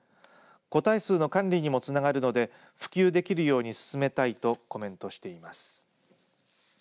個体数の管理にもつながるので普及できるように進めたいとコメントしています。